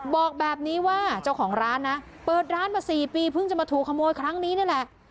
บอกแบบนี้ว่าเจ้าของร้านนะเปิดร้านมา๔ปีเพิ่งจะมาถูกขโมยครั้งนี้นี่แหละ